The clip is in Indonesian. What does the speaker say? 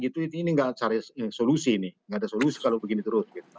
ini tidak ada solusi kalau begini terus